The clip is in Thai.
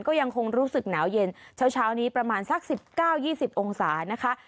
ก็ยังคงรู้สึกหนาวเย็นเช้าเช้านี้ประมาณสักสิบเก้ายี่สิบองศานะคะ